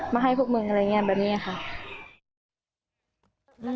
มาให้พวกมึงอะไรอย่างนี้แบบนี้ค่ะ